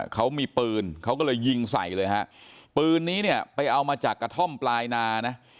เขามีปืนเขาก็เลยยิงใส่เลยฮะปืนนี้เนี่ยไปเอามาจากกระท่อมปลายนานะ